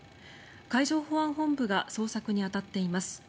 海上保安本部が捜索に当たっています。